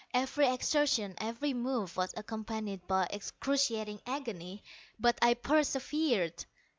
Every exertion, every move, was accompanied by excruciating agony, but I persevered.